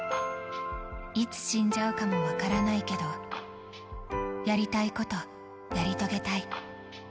いつ死んじゃうかも分からないけど、やりたいこと、やり遂げたい。